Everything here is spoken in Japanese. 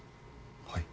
はい。